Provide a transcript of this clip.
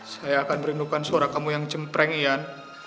saya akan merindukan suara kamu yang cempreng ian